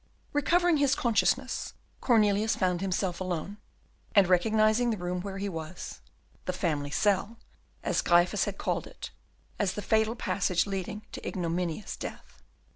Recovering his consciousness, Cornelius found himself alone, and recognised the room where he was, "the family cell," as Gryphus had called it, as the fatal passage leading to ignominious death.